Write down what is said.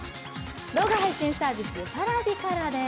動画配信サービスＰａｒａｖｉからです。